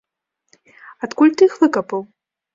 Адкуль ты іх выкапаў?